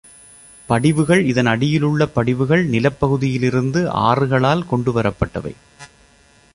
படிவுகள் இதன் அடியிலுள்ள படிவுகள் நிலப்பகுதியிலிருந்து ஆறுகளால் கொண்டுவரப்பட்டவை.